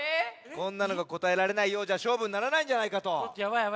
こんなのがこたえられないようじゃしょうぶにならないんじゃないかと。